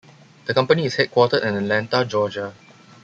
The company is headquartered in Atlanta, Georgia.